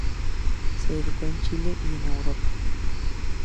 Se educó en Chile y en Europa.